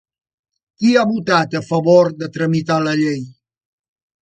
Qui ha votat a favor de tramitar la llei?